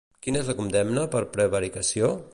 Quina és la condemna per prevaricació?